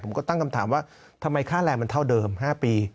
ผมก็ตั้งคำถามว่าทำไมค่าแรงมันเท่าเดิม๕ปี